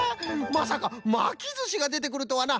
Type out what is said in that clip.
まさかまきずしがでてくるとはな。